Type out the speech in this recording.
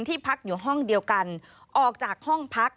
พักอยู่ห้องเดียวกันออกจากห้องพัก